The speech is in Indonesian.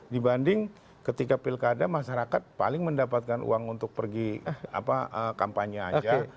dibanding ketika pilkada masyarakat paling mendapatkan uang untuk pergi kampanye aja